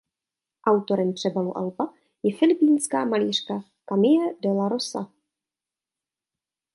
Autorem přebalu alba je filipínská malířka Camille Della Rosa.